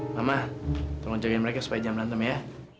mama tolong jagain mereka supaya jangan menantem ya